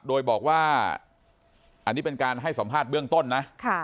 โดยบอกว่าอันนี้เป็นการให้สัมภาษณ์เบื้องต้นนะ